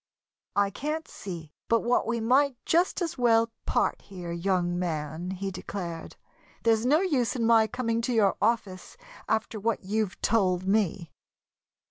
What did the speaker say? "I can't see but what we might just as well part here, young man," he declared. "There's no use in my coming to your office, after what you've told me."